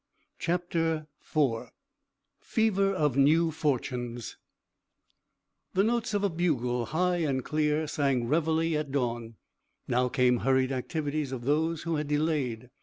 CHAPTER IV FEVER OF NEW FORTUNES The notes of a bugle, high and clear, sang reveille at dawn. Now came hurried activities of those who had delayed.